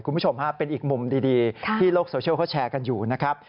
คุณผู้ชมฮะเป็นอีกมุมดีที่โลกโซเชียลเขาแชร์กันอยู่นะครับ